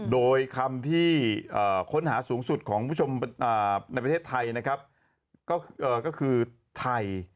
โดยคำที่ค้นหาสูงสุดของผู้ชมในประเทศไทยนะครับก็คือไทย